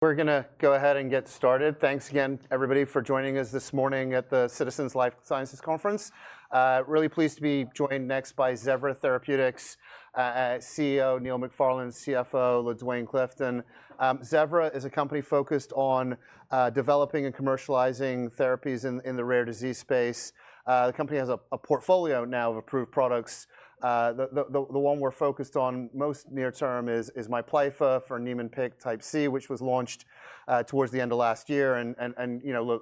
We're going to go ahead and get started. Thanks again, everybody, for joining us this morning at the Citizens Life Sciences Conference. Really pleased to be joined next by Zevra Therapeutics CEO Neil McFarlane, CFO LaDuane Clifton. Zevra is a company focused on developing and commercializing therapies in the rare disease space. The company has a portfolio now of approved products. The one we're focused on most near term is MIPLYFFA for Niemann-Pick Disease Type C, which was launched towards the end of last year.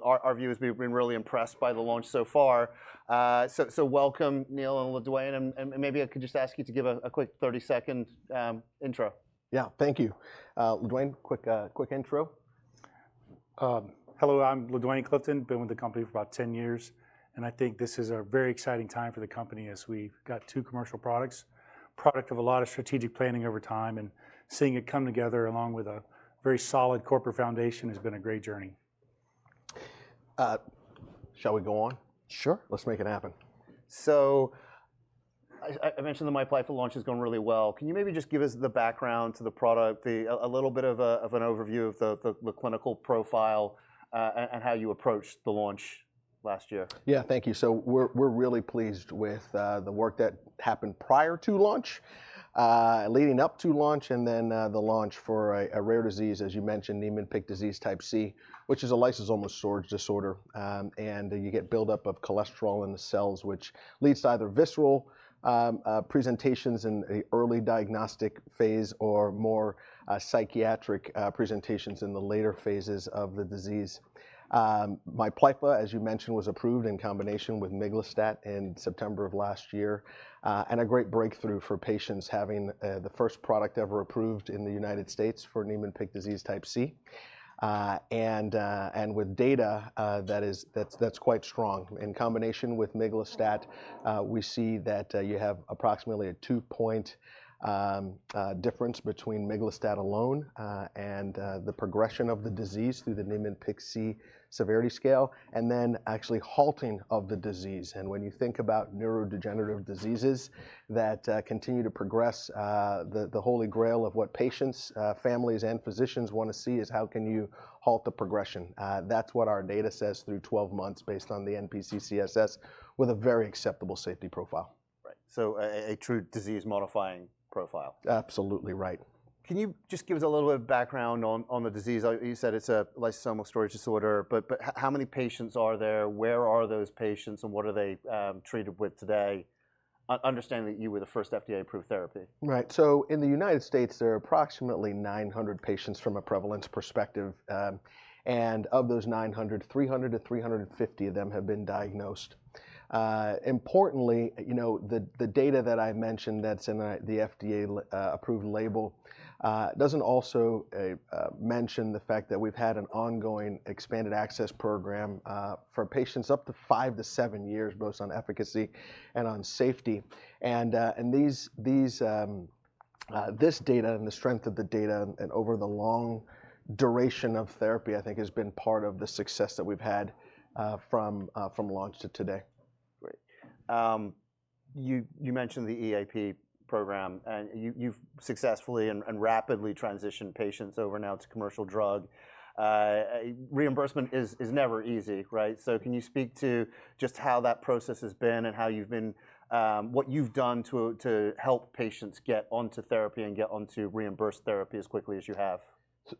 Our view has been really impressed by the launch so far. Welcome, Neil and LaDuane. Maybe I could just ask you to give a quick 30-second intro. Yeah, thank you. LaDuane, quick intro. Hello, I'm LaDuane Clifton. Been with the company for about 10 years. I think this is a very exciting time for the company as we've got two commercial products, product of a lot of strategic planning over time. Seeing it come together along with a very solid corporate foundation has been a great journey. Shall we go on? Sure. Let's make it happen. I mentioned that MIPLYFFA launch has gone really well. Can you maybe just give us the background to the product, a little bit of an overview of the clinical profile and how you approached the launch last year? Yeah, thank you. We are really pleased with the work that happened prior to launch, leading up to launch, and then the launch for a rare disease, as you mentioned, Niemann-Pick Disease Type C, which is a lysosomal disorder. You get buildup of cholesterol in the cells, which leads to either visceral presentations in the early diagnostic phase or more psychiatric presentations in the later phases of the disease. MIPLYFFA, as you mentioned, was approved in combination with miglustat in September of last year, and a great breakthrough for patients having the first product ever approved in the United States for Niemann-Pick Disease Type C. With data that is quite strong, in combination with miglustat, we see that you have approximately a two-point difference between miglustat alone and the progression of the disease through the Niemann-Pick Type C Clinical Severity Scale, and then actually halting of the disease. When you think about neurodegenerative diseases that continue to progress, the holy grail of what patients, families, and physicians want to see is how can you halt the progression. That's what our data says through 12 months based on the NPCCSS with a very acceptable safety profile. Right. So a true disease-modifying profile. Absolutely right. Can you just give us a little bit of background on the disease? You said it's a lysosomal disorder, but how many patients are there? Where are those patients? What are they treated with today? Understanding that you were the first FDA-approved therapy. Right. In the United States, there are approximately 900 patients from a prevalence perspective. Of those 900, 300-350 of them have been diagnosed. Importantly, the data that I mentioned that's in the FDA-approved label does not also mention the fact that we've had an ongoing expanded access program for patients up to five to seven years, both on efficacy and on safety. This data and the strength of the data and over the long duration of therapy, I think, has been part of the success that we've had from launch to today. Great. You mentioned the EAP program. You have successfully and rapidly transitioned patients over now to commercial drug. Reimbursement is never easy, right? Can you speak to just how that process has been and what you have done to help patients get onto therapy and get onto reimbursed therapy as quickly as you have?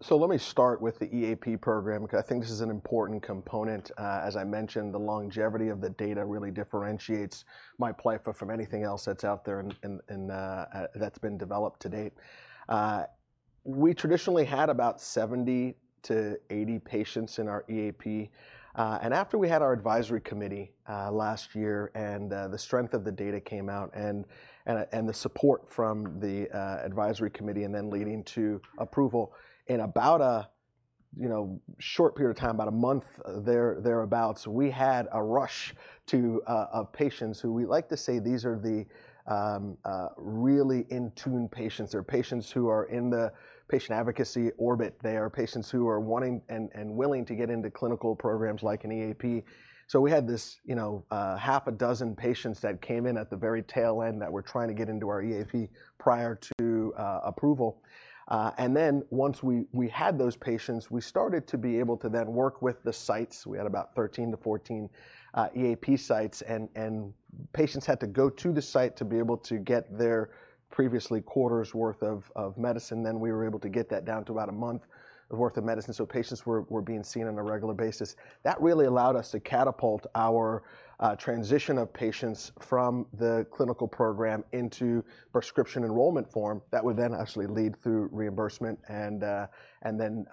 Let me start with the EAP program, because I think this is an important component. As I mentioned, the longevity of the data really differentiates MIPLYFFA from anything else that's out there and that's been developed to date. We traditionally had about 70-80 patients in our EAP. After we had our advisory committee last year and the strength of the data came out and the support from the advisory committee and then leading to approval in about a short period of time, about a month thereabouts, we had a rush of patients who we like to say these are the really in-tune patients. They're patients who are in the patient advocacy orbit. They are patients who are wanting and willing to get into clinical programs like an EAP. We had this half a dozen patients that came in at the very tail end that were trying to get into our EAP prior to approval. Once we had those patients, we started to be able to then work with the sites. We had about 13-14 EAP sites. Patients had to go to the site to be able to get their previous quarter's worth of medicine. We were able to get that down to about a month's worth of medicine. Patients were being seen on a regular basis. That really allowed us to catapult our transition of patients from the clinical program into prescription enrollment form that would then actually lead through reimbursement and then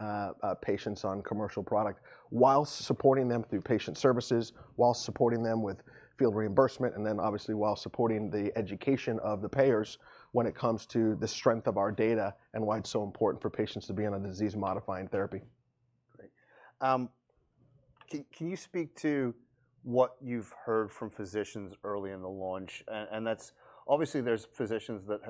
patients on commercial product while supporting them through patient services, while supporting them with field reimbursement, and then obviously while supporting the education of the payers when it comes to the strength of our data and why it's so important for patients to be on a disease-modifying therapy. Great. Can you speak to what you've heard from physicians early in the launch? Obviously, there's physicians that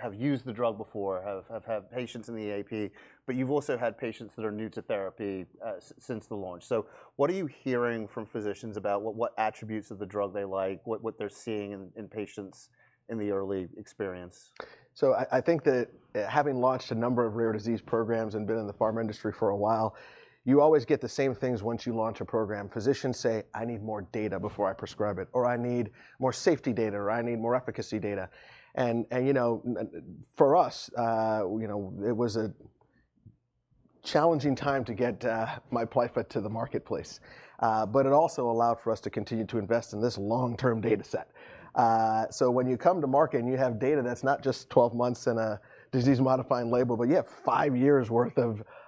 have used the drug before, have had patients in the EAP, but you've also had patients that are new to therapy since the launch. What are you hearing from physicians about what attributes of the drug they like, what they're seeing in patients in the early experience? I think that having launched a number of rare disease programs and been in the pharma industry for a while, you always get the same things once you launch a program. Physicians say, I need more data before I prescribe it, or I need more safety data, or I need more efficacy data. For us, it was a challenging time to get MIPLYFFA to the marketplace. It also allowed for us to continue to invest in this long-term data set. When you come to market and you have data that's not just 12 months in a disease-modifying label, but you have five years' worth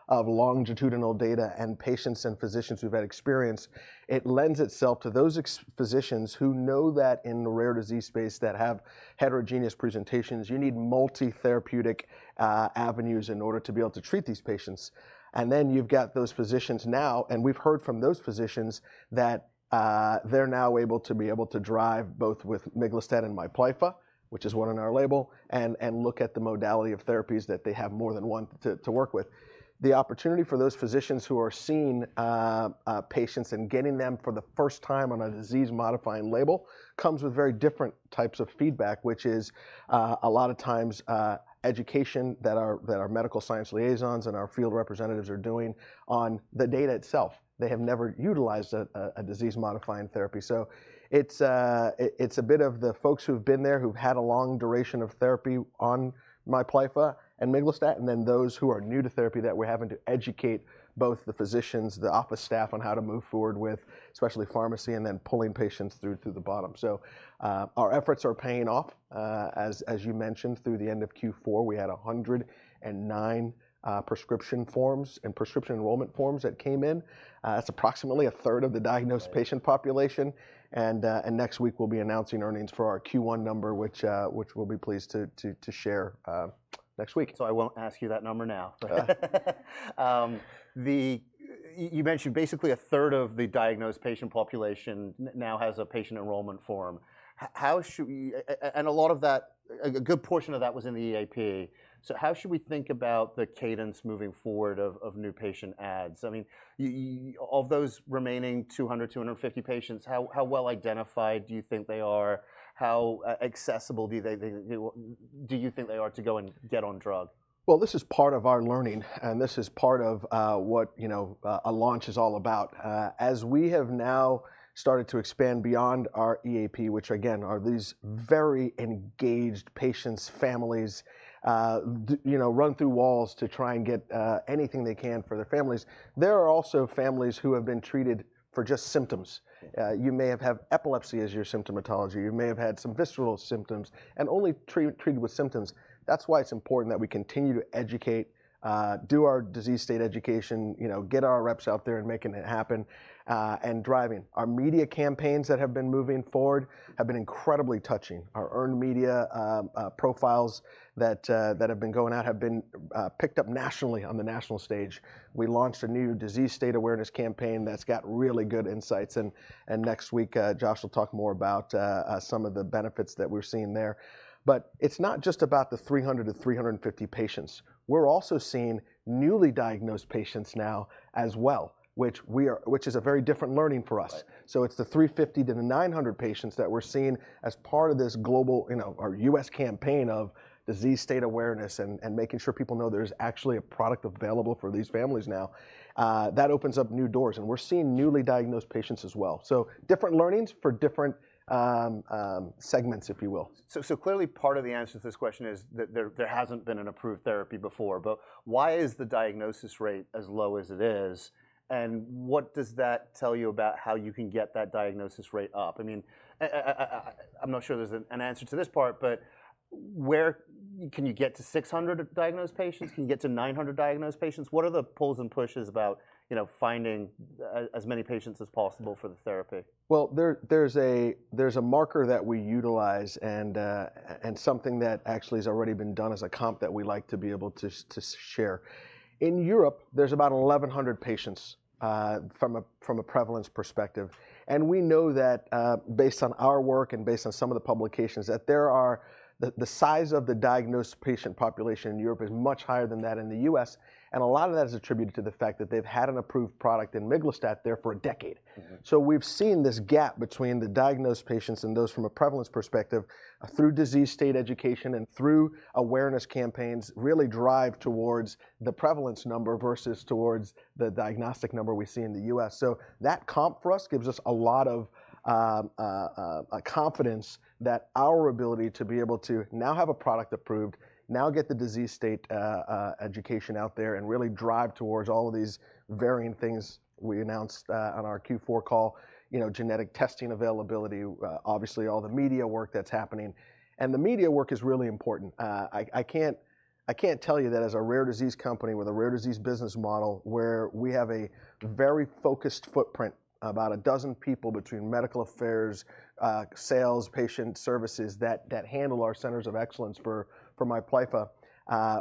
of longitudinal data and patients and physicians who've had experience, it lends itself to those physicians who know that in the rare disease space that have heterogeneous presentations, you need multi-therapeutic avenues in order to be able to treat these patients. You have got those physicians now. We have heard from those physicians that they are now able to be able to drive both with miglustat and MIPLYFFA, which is one in our label, and look at the modality of therapies that they have more than one to work with. The opportunity for those physicians who are seeing patients and getting them for the first time on a disease-modifying label comes with very different types of feedback, which is a lot of times education that our medical science liaisons and our field representatives are doing on the data itself. They have never utilized a disease-modifying therapy. It's a bit of the folks who've been there, who've had a long duration of therapy on MIPLYFFA and miglustat, and then those who are new to therapy that we're having to educate, both the physicians, the office staff on how to move forward with, especially pharmacy, and then pulling patients through to the bottom. Our efforts are paying off. As you mentioned, through the end of Q4, we had 109 prescription forms and prescription enrollment forms that came in. That's approximately a third of the diagnosed patient population. Next week, we'll be announcing earnings for our Q1 number, which we'll be pleased to share next week. I will not ask you that number now. You mentioned basically 1/3 of the diagnosed patient population now has a patient enrollment form. And a lot of that, a good portion of that was in the EAP. How should we think about the cadence moving forward of new patient adds? I mean, of those remaining 200-250 patients, how well identified do you think they are? How accessible do you think they are to go and get on drug? This is part of our learning. This is part of what a launch is all about. As we have now started to expand beyond our EAP, which again, are these very engaged patients, families run through walls to try and get anything they can for their families. There are also families who have been treated for just symptoms. You may have had epilepsy as your symptomatology. You may have had some visceral symptoms and only treated with symptoms. That is why it is important that we continue to educate, do our disease state education, get our reps out there and making it happen, and driving. Our media campaigns that have been moving forward have been incredibly touching. Our earned media profiles that have been going out have been picked up nationally on the national stage. We launched a new disease state awareness campaign that has got really good insights. Next week, Josh will talk more about some of the benefits that we're seeing there. It's not just about the 300-350 patients. We're also seeing newly diagnosed patients now as well, which is a very different learning for us. It's the 350 to the 900 patients that we're seeing as part of this global U.S. campaign of disease state awareness and making sure people know there's actually a product available for these families now. That opens up new doors. We're seeing newly diagnosed patients as well. Different learnings for different segments, if you will. Clearly, part of the answer to this question is that there has not been an approved therapy before. Why is the diagnosis rate as low as it is? What does that tell you about how you can get that diagnosis rate up? I mean, I am not sure there is an answer to this part, but can you get to 600 diagnosed patients? Can you get to 900 diagnosed patients? What are the pulls and pushes about finding as many patients as possible for the therapy? There is a marker that we utilize and something that actually has already been done as a comp that we like to be able to share. In Europe, there are about 1,100 patients from a prevalence perspective. We know that based on our work and based on some of the publications that the size of the diagnosed patient population in Europe is much higher than that in the U.S. A lot of that is attributed to the fact that they have had an approved product in miglustat there for a decade. We have seen this gap between the diagnosed patients and those from a prevalence perspective through disease state education and through awareness campaigns really drive towards the prevalence number versus towards the diagnostic number we see in the U.S. That comp for us gives us a lot of confidence that our ability to be able to now have a product approved, now get the disease state education out there, and really drive towards all of these varying things we announced on our Q4 call, genetic testing availability, obviously all the media work that's happening. The media work is really important. I can't tell you that as a rare disease company with a rare disease business model where we have a very focused footprint, about a dozen people between medical affairs, sales, patient services that handle our centers of excellence for MIPLYFFA,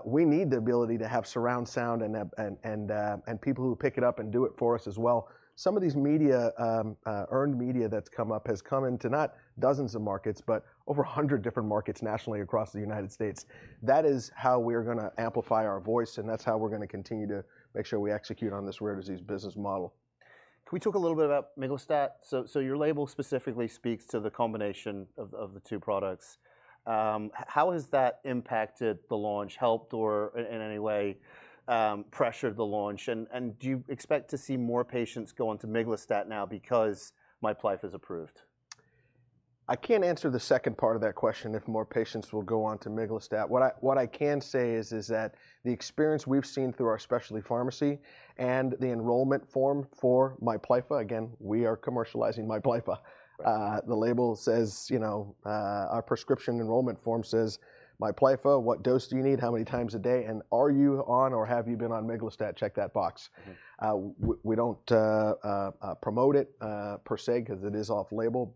we need the ability to have surround sound and people who pick it up and do it for us as well. Some of these earned media that's come up has come into not dozens of markets, but over 100 different markets nationally across the United States. That is how we are going to amplify our voice. That is how we're going to continue to make sure we execute on this rare disease business model. Can we talk a little bit about miglustat? Your label specifically speaks to the combination of the two products. How has that impacted the launch? Helped or in any way pressured the launch? Do you expect to see more patients go on to miglustat now because MIPLYFFA is approved? I can't answer the second part of that question if more patients will go on to miglustat. What I can say is that the experience we've seen through our specialty pharmacy and the enrollment form for MIPLYFFA, again, we are commercializing MIPLYFFA. The label says our prescription enrollment form says, MIPLYFFA, what dose do you need? How many times a day? And are you on or have you been on miglustat? Check that box. We don't promote it per se because it is off-label.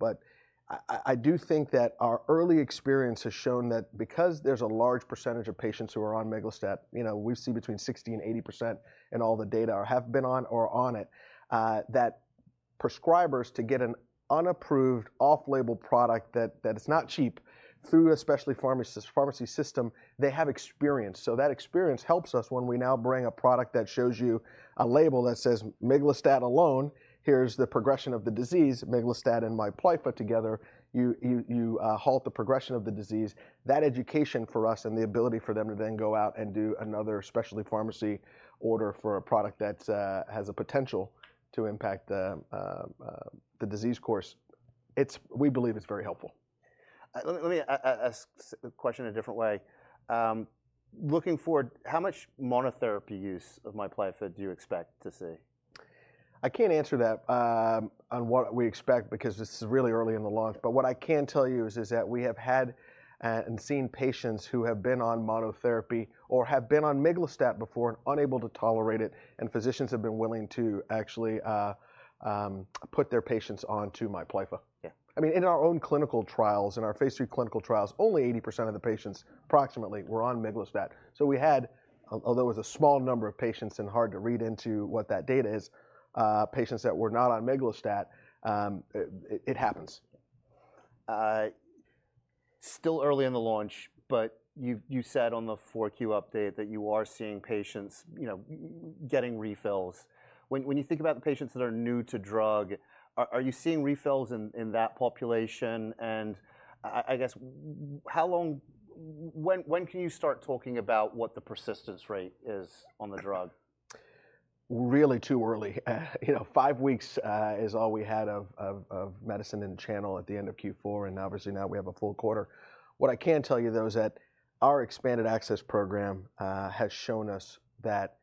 I do think that our early experience has shown that because there's a large percentage of patients who are on miglustat, we see between 60% and 80% in all the data or have been on or on it, that prescribers to get an unapproved, off-label product that is not cheap through a specialty pharmacy system, they have experience. That experience helps us when we now bring a product that shows you a label that says miglustat alone, here is the progression of the disease, miglustat and MIPLYFFA together, you halt the progression of the disease. That education for us and the ability for them to then go out and do another specialty pharmacy order for a product that has a potential to impact the disease course, we believe it is very helpful. Let me ask the question a different way. Looking forward, how much monotherapy use of MIPLYFFA do you expect to see? I can't answer that on what we expect because this is really early in the launch. What I can tell you is that we have had and seen patients who have been on monotherapy or have been on miglustat before and unable to tolerate it. Physicians have been willing to actually put their patients onto MIPLYFFA. I mean, in our own clinical trials, in our phase three clinical trials, only 80% of the patients approximately were on miglustat. We had, although it was a small number of patients and hard to read into what that data is, patients that were not on miglustat, it happens. Still early in the launch, but you said on the Q4 update that you are seeing patients getting refills. When you think about the patients that are new to drug, are you seeing refills in that population? I guess, when can you start talking about what the persistence rate is on the drug? Really too early. Five weeks is all we had of medicine in the channel at the end of Q4. Obviously now we have a full quarter. What I can tell you, though, is that our expanded access program has shown us that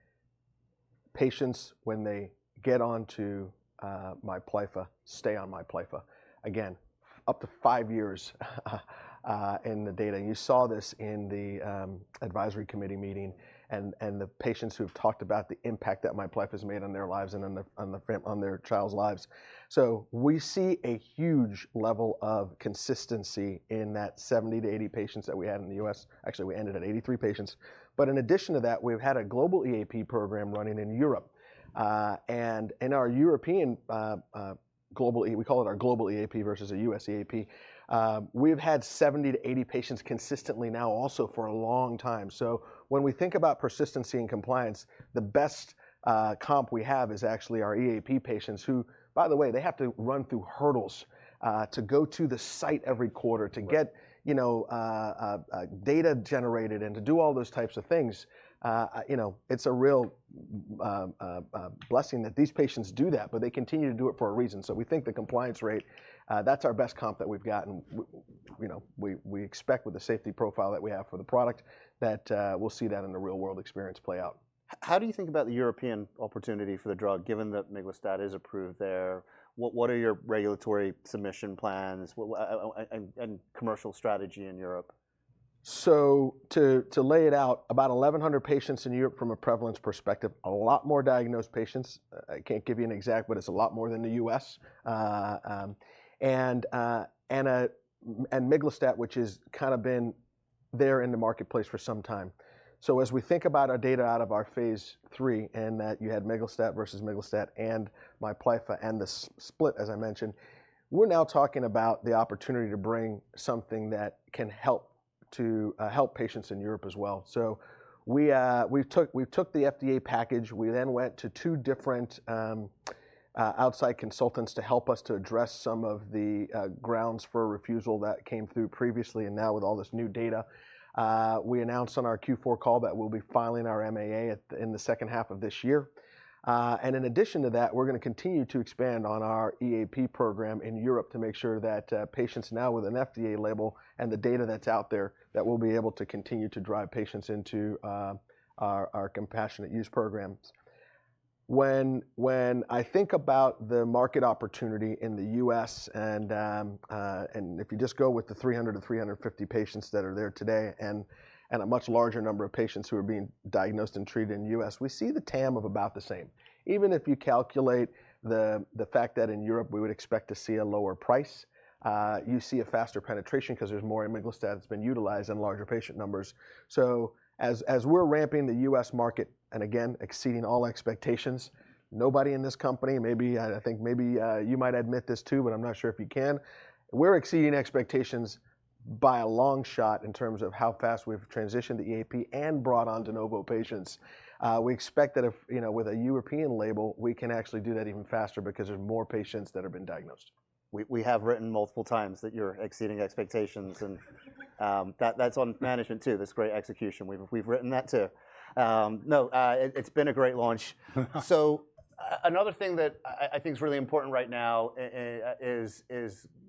patients, when they get onto MIPLYFFA, stay on MIPLYFFA. Again, up to five years in the data. You saw this in the advisory committee meeting and the patients who have talked about the impact that MIPLYFFA has made on their lives and on their child's lives. We see a huge level of consistency in that 70-80 patients that we had in the U.S. Actually, we ended at 83 patients. In addition to that, we've had a global EAP program running in Europe. In our European global, we call it our global EAP versus a U.S. EAP, we've had 70-80 patients consistently now also for a long time. When we think about persistency and compliance, the best comp we have is actually our EAP patients who, by the way, they have to run through hurdles to go to the site every quarter to get data generated and to do all those types of things. It's a real blessing that these patients do that, but they continue to do it for a reason. We think the compliance rate, that's our best comp that we've gotten. We expect with the safety profile that we have for the product that we'll see that in the real-world experience play out. How do you think about the European opportunity for the drug given that miglustat is approved there? What are your regulatory submission plans and commercial strategy in Europe? To lay it out, about 1,100 patients in Europe from a prevalence perspective, a lot more diagnosed patients. I can't give you an exact, but it's a lot more than the U.S. And miglustat, which has kind of been there in the marketplace for some time. As we think about our data out of our phase three and that you had miglustat versus miglustat and MIPLYFFA and the split, as I mentioned, we're now talking about the opportunity to bring something that can help patients in Europe as well. We took the FDA package. We then went to two different outside consultants to help us to address some of the grounds for refusal that came through previously. Now with all this new data, we announced on our Q4 call that we'll be filing our MAA in the second half of this year. In addition to that, we're going to continue to expand on our EAP program in Europe to make sure that patients now with an FDA label and the data that's out there, that we'll be able to continue to drive patients into our compassionate use programs. When I think about the market opportunity in the U.S., and if you just go with the 300-350 patients that are there today and a much larger number of patients who are being diagnosed and treated in the U.S., we see the TAM of about the same. Even if you calculate the fact that in Europe we would expect to see a lower price, you see a faster penetration because there's more miglustat that's been utilized and larger patient numbers. As we're ramping the U.S. market and again, exceeding all expectations, nobody in this company, maybe I think maybe you might admit this too, but I'm not sure if you can, we're exceeding expectations by a long shot in terms of how fast we've transitioned the EAP and brought on de novo patients. We expect that with a European label, we can actually do that even faster because there's more patients that have been diagnosed. We have written multiple times that you're exceeding expectations. And that's on management too, this great execution. We've written that too. No, it's been a great launch. Another thing that I think is really important right now is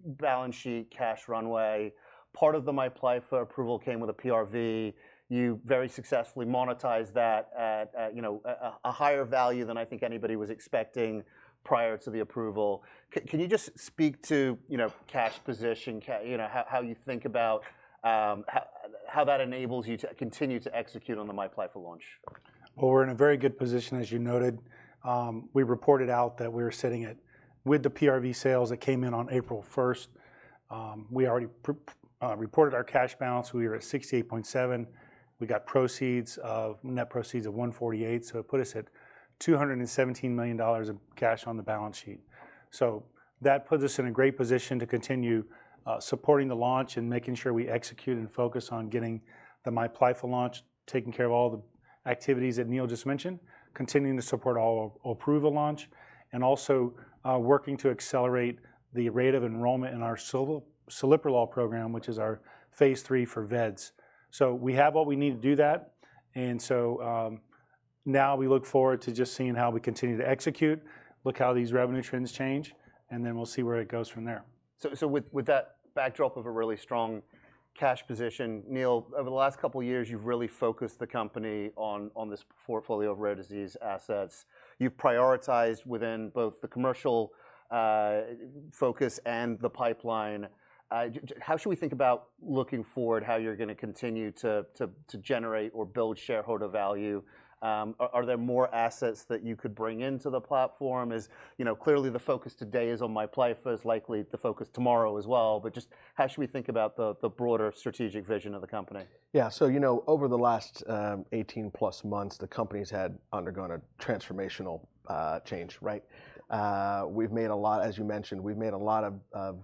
balance sheet, cash runway. Part of the MIPLYFFA approval came with a PRV. You very successfully monetized that at a higher value than I think anybody was expecting prior to the approval. Can you just speak to cash position, how you think about how that enables you to continue to execute on the MIPLYFFA launch? We're in a very good position, as you noted. We reported out that we were sitting at, with the PRV sales that came in on April 1st. We already reported our cash balance. We were at $68.7 million. We got net proceeds of $148 million. It put us at $217 million of cash on the balance sheet. That puts us in a great position to continue supporting the launch and making sure we execute and focus on getting the MIPLYFFA launch, taking care of all the activities that Neil just mentioned, continuing to support all OLPRUVA launch, and also working to accelerate the rate of enrollment in our celiprolol program, which is our phase three for vEDS. We have all we need to do that. We look forward to just seeing how we continue to execute, look how these revenue trends change, and then we'll see where it goes from there. With that backdrop of a really strong cash position, Neil, over the last couple of years, you've really focused the company on this portfolio of rare disease assets. You've prioritized within both the commercial focus and the pipeline. How should we think about looking forward how you're going to continue to generate or build shareholder value? Are there more assets that you could bring into the platform? Clearly, the focus today is on MIPLYFFA, is likely the focus tomorrow as well. Just how should we think about the broader strategic vision of the company? Yeah. So you know over the last 18 plus months, the company has undergone a transformational change, right? We've made a lot, as you mentioned, we've made a lot of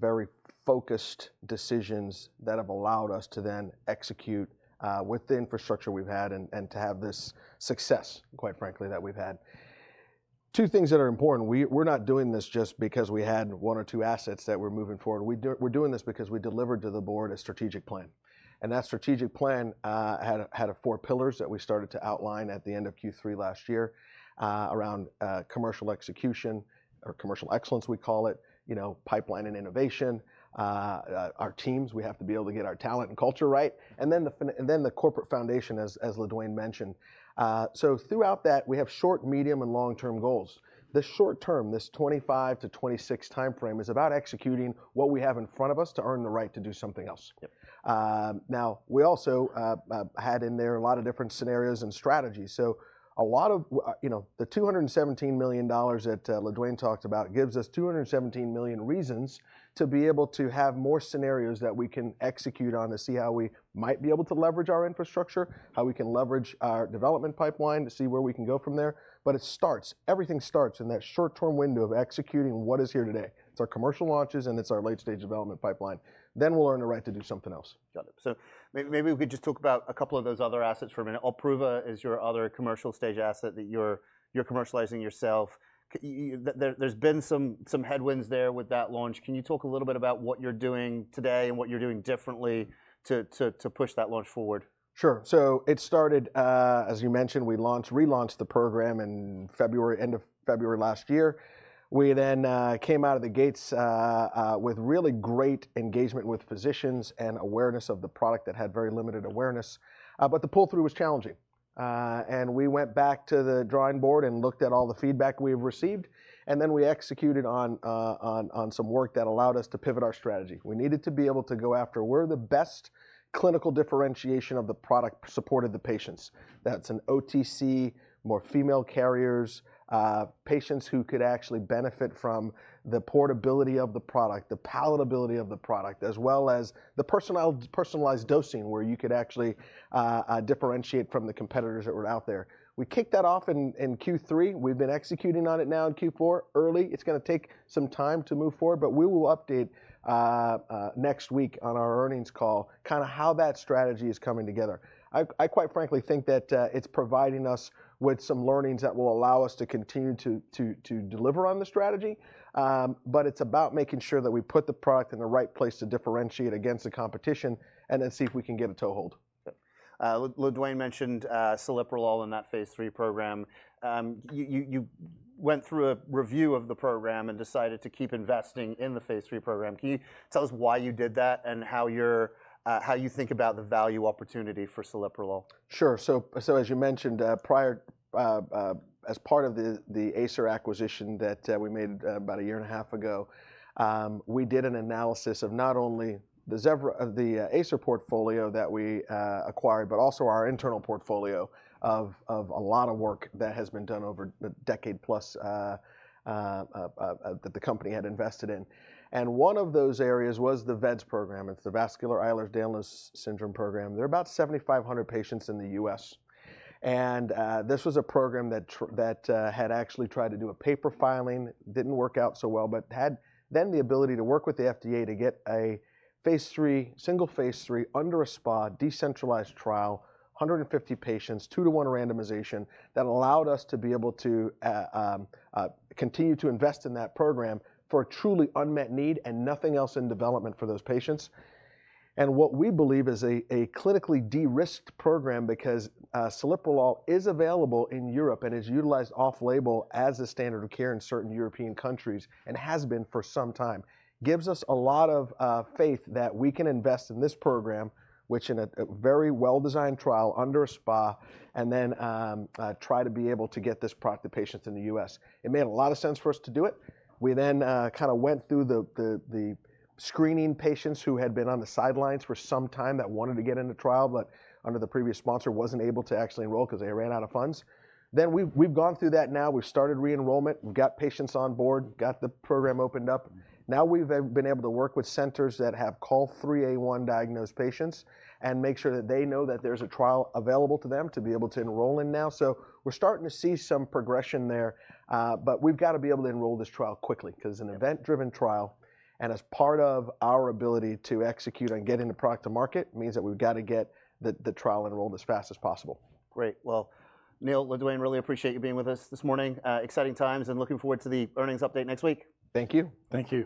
very focused decisions that have allowed us to then execute with the infrastructure we've had and to have this success, quite frankly, that we've had. Two things that are important. We're not doing this just because we had one or two assets that we're moving forward. We're doing this because we delivered to the board a strategic plan. And that strategic plan had four pillars that we started to outline at the end of Q3 last year around commercial execution or commercial excellence, we call it, pipeline and innovation, our teams, we have to be able to get our talent and culture right, and then the corporate foundation, as LaDuane mentioned. Throughout that, we have short, medium, and long-term goals. The short term, this 2025 to 2026 time frame, is about executing what we have in front of us to earn the right to do something else. We also had in there a lot of different scenarios and strategies. A lot of the $217 million that LaDuane talked about gives us 217 million reasons to be able to have more scenarios that we can execute on to see how we might be able to leverage our infrastructure, how we can leverage our development pipeline to see where we can go from there. It starts, everything starts in that short-term window of executing what is here today. It is our commercial launches and it is our late-stage development pipeline. We will earn the right to do something else. Got it. Maybe we could just talk about a couple of those other assets for a minute. OLPRUVA is your other commercial stage asset that you're commercializing yourself. There's been some headwinds there with that launch. Can you talk a little bit about what you're doing today and what you're doing differently to push that launch forward? Sure. It started, as you mentioned, we launched, relaunched the program in February, end of February last year. We then came out of the gates with really great engagement with physicians and awareness of the product that had very limited awareness. The pull-through was challenging. We went back to the drawing board and looked at all the feedback we've received. We executed on some work that allowed us to pivot our strategy. We needed to be able to go after where the best clinical differentiation of the product supported the patients. That is in OTC, more female carriers, patients who could actually benefit from the portability of the product, the palatability of the product, as well as the personalized dosing where you could actually differentiate from the competitors that were out there. We kicked that off in Q3. We've been executing on it now in Q4 early. It's going to take some time to move forward, but we will update next week on our earnings call kind of how that strategy is coming together. I quite frankly think that it's providing us with some learnings that will allow us to continue to deliver on the strategy. It is about making sure that we put the product in the right place to differentiate against the competition and then see if we can get a toehold. LaDuane mentioned celiprolol in that phase three program. You went through a review of the program and decided to keep investing in the phase three program. Can you tell us why you did that and how you think about the value opportunity for celiprolol? Sure. As you mentioned, prior as part of the Acer acquisition that we made about a year and a half ago, we did an analysis of not only the Acer portfolio that we acquired, but also our internal portfolio of a lot of work that has been done over a decade plus that the company had invested in. One of those areas was the vEDS program. It is the Vascular Ehlers-Danlos syndrome program. There are about 7,500 patients in the US. This was a program that had actually tried to do a paper filing, did not work out so well, but had then the ability to work with the FDA to get a phase 3, single phase 3 under a SPA, decentralized trial, 150 patients, two-to-one randomization that allowed us to be able to continue to invest in that program for a truly unmet need and nothing else in development for those patients. What we believe is a clinically de-risked program because celiprolol is available in Europe and is utilized off-label as a standard of care in certain European countries and has been for some time. Gives us a lot of faith that we can invest in this program, which in a very well-designed trial under a SPA and then try to be able to get this product to patients in the U.S. It made a lot of sense for us to do it. We then kind of went through the screening patients who had been on the sidelines for some time that wanted to get into trial, but under the previous sponsor were not able to actually enroll because they ran out of funds. We have gone through that now. We have started re-enrollment. We have got patients on board, got the program opened up. Now we have been able to work with centers that have called 3A1 diagnosed patients and make sure that they know that there is a trial available to them to be able to enroll in now. We are starting to see some progression there. We have got to be able to enroll this trial quickly because it is an event-driven trial. As part of our ability to execute and get into product to market means that we've got to get the trial enrolled as fast as possible. Great. Neil, LaDuane, really appreciate you being with us this morning. Exciting times and looking forward to the earnings update next week. Thank you. Thank you.